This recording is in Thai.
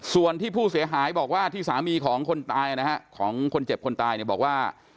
ส่วนที่ผู้เสียหายบอกว่าที่สามีของคนตายนะฮะของคนเจ็บคนตายเนี่ยบอกว่า